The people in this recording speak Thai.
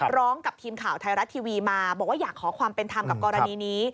ร้องกับทีมข่าวไทยรัฐทีวีมาบอกว่าอยากขอความเป็นธรรมกับกรณีนี้